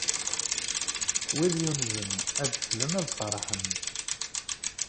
Wid yunzen ad d-slen, ad ferḥen!